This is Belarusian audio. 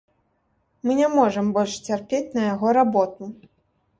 Мы не можам больш цярпець на яго работу.